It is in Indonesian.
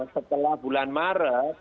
setelah bulan maret